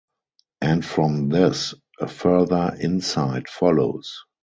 And from this a further insight follows.